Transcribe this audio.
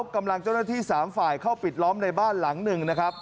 กำลังเจ้าหน้าที่๓ฝ่ายเข้าปิดล้อมในบ้านหลังหนึ่งนะครับ